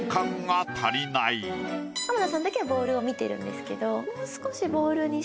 浜田さんだけはボールを見てるんですけどもう少し。